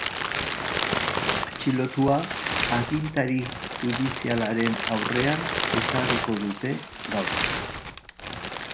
Atxilotua agintari judizialaren aurrean ezarriko dute gaur.